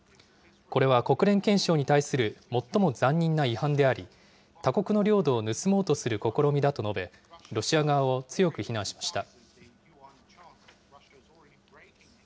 これは国連憲章に対する最も残忍な違反であり、他国の領土を盗もうとする試みだと述べ、ロシア側を強く非難しました。